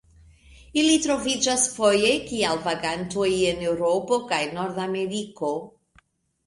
Ili troviĝas foje kiel vagantoj en Eŭropo kaj Nordameriko.